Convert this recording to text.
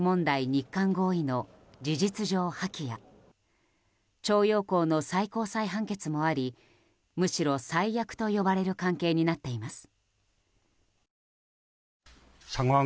日韓合意の事実上破棄や徴用工の最高裁判決もありむしろ最悪と呼ばれる関係になっています。